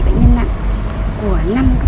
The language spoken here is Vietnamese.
bệnh nhân nặng của năm